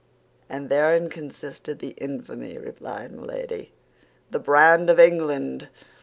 "And therein consisted the infamy," replied Milady. "The brand of England!